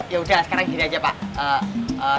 ya udah sekarang gini aja pak